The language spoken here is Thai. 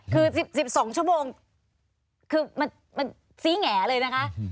คือ๑๒ชั่วโมงคือมันซี้แง่เลยนะคะ